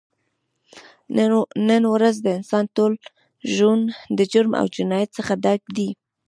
نن ورځ د انسان ټول ژون د جرم او جنایت څخه ډک دی